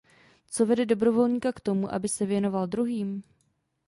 Co vede dobrovolníka k tomu, aby se věnoval druhým?